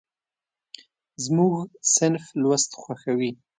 زموږ صنف لوست خوښوي.